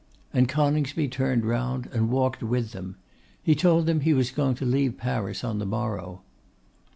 And Coningsby turned round and walked with them. He told them he was going to leave Paris on the morrow.